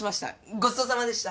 ごちそうさまでした。